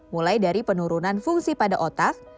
mulai dari penurunan fungsi pada otak